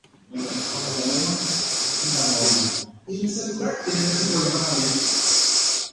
Paraguái rekoitépe ndaje ohekombo'ékuri umi mitãmíme.